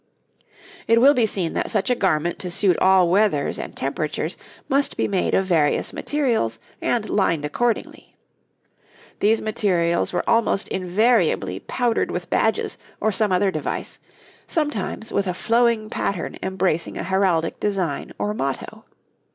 It will be seen that such a garment to suit all weathers and temperatures must be made of various materials and lined accordingly. These materials were almost invariably powdered with badges or some other device, sometimes with a flowing pattern embracing an heraldic design or motto.